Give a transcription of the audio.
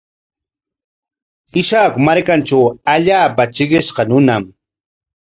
Ishaku markantraw allaapa trikishqa runam.